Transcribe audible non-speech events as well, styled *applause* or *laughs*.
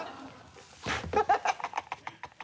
ハハハ *laughs*